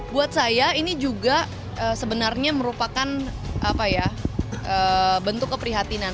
buat saya ini juga sebenarnya merupakan bentuk keprihatinan